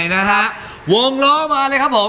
สวยมาก